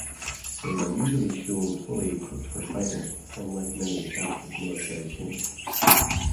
They are usually shown fully equipped for fighting, unlike many Catholic military saints.